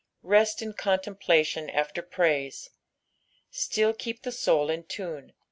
Rest in contemplBtion tS\a praise. Still keep the soul in tune.